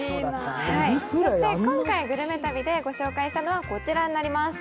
そして今回グルメ旅でご紹介したのはこちらになります。